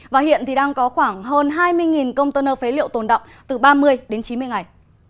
và hiện thì đang có khoảng hơn hai mươi container phế liệu tồn động từ ba mươi đến chín mươi ngày